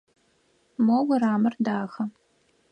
Мо урамыр дахэ.